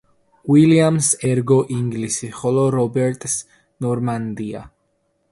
უილიამს ერგო ინგლისი, ხოლო რობერტს ნორმანდია.